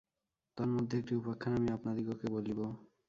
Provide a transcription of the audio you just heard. তন্মধ্যে একটি উপাখ্যান আমি আপনাদিগকে বলিব।